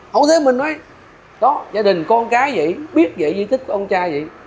hậu thế mình nói đó gia đình con cái vậy biết vậy duy tích con trai vậy